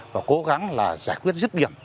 và cố gắng giải quyết dứt điểm